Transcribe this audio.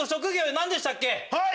はい！